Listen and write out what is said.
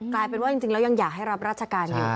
กลายเป็นว่าจริงแล้วยังอยากให้รับราชการอยู่